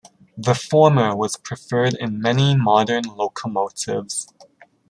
The former was preferred in many modern locomotives.